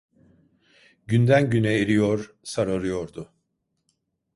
Günden güne eriyor, sararıyordu.